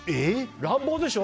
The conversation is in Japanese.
乱暴でしょ？